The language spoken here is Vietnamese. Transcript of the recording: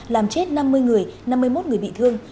làm chết năm mươi người năm mươi một người bị thương